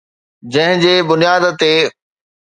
جنهن جي بنياد تي